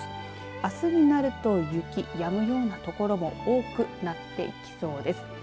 あすになると雪やむような所も多くなってきそうです。